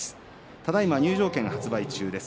ただいま入場券発売中です。